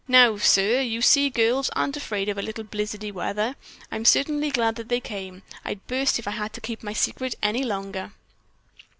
"Now, sir, you see girls aren't afraid of a little blizzardly weather. I'm certainly glad they came. I'd burst if I had to keep my secret any longer."